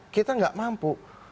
kita enggak mampu